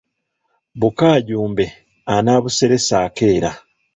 Bukaajumbe, anaabuseresa akeera.